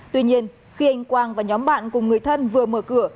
tuy nhiên khi anh quang và nhóm bạn cùng người thân vừa mở cửa